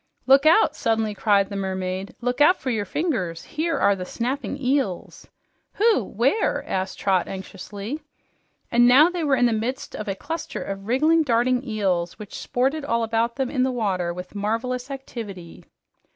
"Look out!" suddenly cried the mermaid. "Look out for your fingers! Here are the snapping eels." "Who? Where?" asked Trot anxiously. And now they were in the midst of a cluster of wriggling, darting eels which sported all around them in the water with marvelous activity.